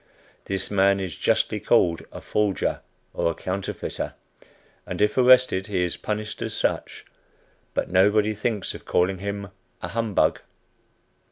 This man is justly called a "forger," or "counterfeiter;" and if arrested, he is punished as such; but nobody thinks of calling him a "humbug."